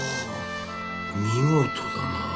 見事だな。